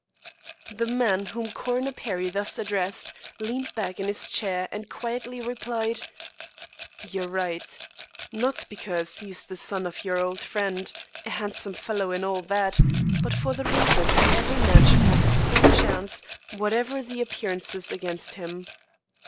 The man whom Coroner Perry thus addressed, leaned back in his chair and quietly replied: "You're right; not because he's the son of your old friend, a handsome fellow and all that, but for the reason that every man should have his full chance, whatever the appearances against him.